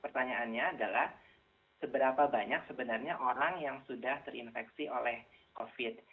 pertanyaannya adalah seberapa banyak sebenarnya orang yang sudah terinfeksi oleh covid